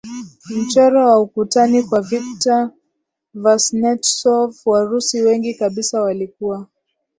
mchoro wa ukutani wa Viktor Vasnetsov Warusi wengi kabisa walikuwa